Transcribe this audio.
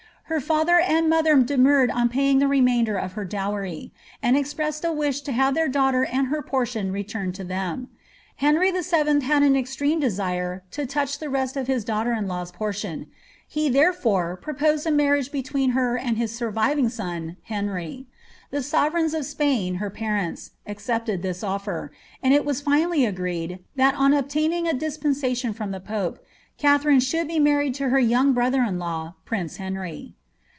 Her father and mother de murred on paying the remainder of her dowry, and expressed a wish to have their daughter and her portion returned to them. Henry VH. had an extreme desire to touch tlie rest of his daughter in law's portion ; hei tiierefore, proposed a marriage between her and his surviving son, Henry. The sovereigns of Spain, her parents, accepted this o^r ; and it was finally agreed, that, on obtaining a dispensation from the pope, Katha rine should be married to her young brothei^in law, prince Henry.